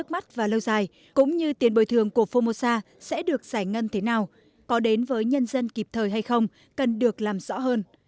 bắt và lâu dài cũng như tiền bồi thường của formosa sẽ được giải ngân thế nào có đến với nhân dân kịp thời hay không cần được làm rõ hơn